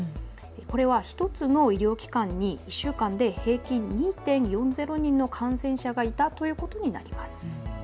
これは１つの医療機関に１週間で平均２．４０人の感染者がいたということになります。